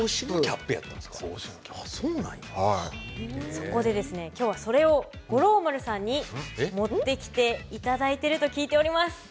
そこでですね今日はそれを五郎丸さんに持ってきていただいてると聞いております。